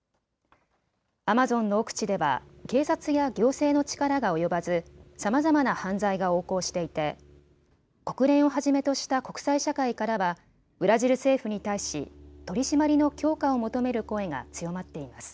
アマゾンの奥地では警察や行政の力が及ばずさまざまな犯罪が横行していて国連をはじめとした国際社会からはブラジル政府に対し取締りの強化を求める声が強まっています。